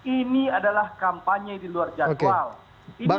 ini adalah kampanye di luar jadwal